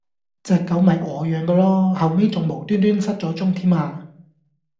隻狗咪我養嗰囉，後尾重無端端失咗蹤添啊